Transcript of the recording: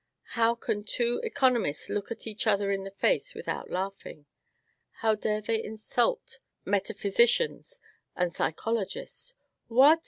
How can two economists look each other in the face without laughing? How dare they insult metaphysicians and psychologists? What!